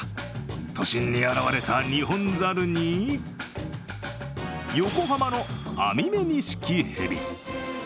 都心に現れたニホンザルに横浜のアミメニシキヘビ。